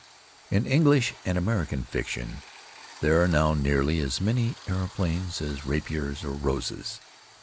In English and American fiction there are now nearly as many aeroplanes as rapiers or roses.